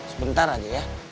sebentar aja ya